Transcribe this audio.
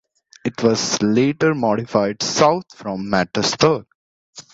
It was later modified south from Mattersburg.